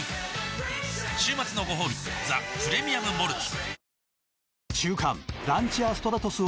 週末のごほうび「ザ・プレミアム・モルツ」